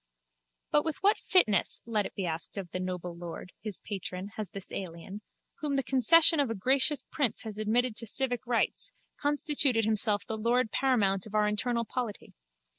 But with what fitness, let it be asked of the noble lord, his patron, has this alien, whom the concession of a gracious prince has admitted to civic rights, constituted himself the lord paramount of our internal polity?